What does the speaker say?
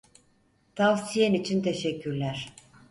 Tavsiyen için teşekkürler.